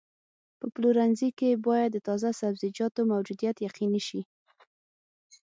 په پلورنځي کې باید د تازه سبزیجاتو موجودیت یقیني شي.